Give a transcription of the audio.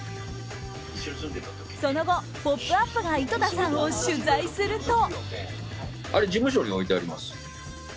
その後「ポップＵＰ！」が井戸田さんを取材すると。